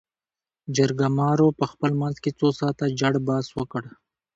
جرګمارو په خپل منځ کې څو ساعاته جړ بحث وکړ.